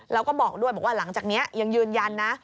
แล้วก็บอกด้วยบอกว่าหลังจากนี้ยังยืนยันนะ